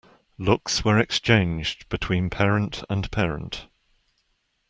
Looks were exchanged between parent and parent.